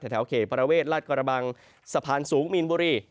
แถวเขตประเวทลาดกระบังสะพานสูงมีนบุรี